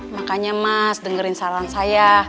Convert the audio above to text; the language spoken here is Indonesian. makanya mas dengerin saran saya